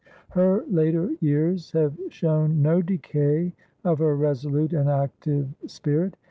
Her later years have shown no decay of her resolute and active spirit.